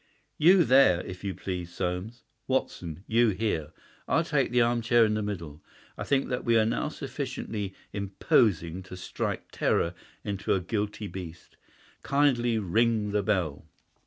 You there, if you please, Soames! Watson, you here! I'll take the arm chair in the middle. I think that we are now sufficiently imposing to strike terror into a guilty breast. Kindly ring the bell!"